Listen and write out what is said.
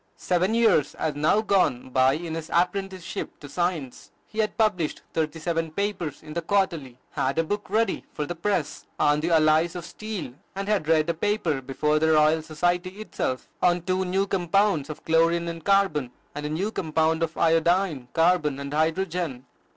Seven years had now gone by in his apprenticeship to Science. He had published thirty seven papers in the "Quarterly," had a book ready for the press, on the alloys of steel, and had read a paper before the Royal Society itself, on two new compounds of chlorine and carbon, and a new compound of iodine, carbon, and hydrogen.